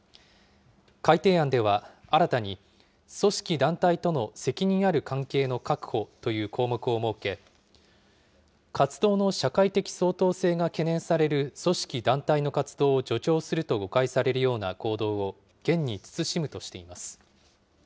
改定案では、新たに組織・団体との責任ある関係の確保という項目を設け、活動の社会的相当性が懸念される組織・団体の活動を助長すると誤解されるような行動を厳に慎むとしています。